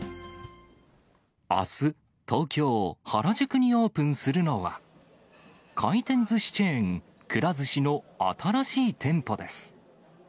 あす、東京・原宿にオープンするのは、回転ずしチェーン、くら寿司の新しい店舗です。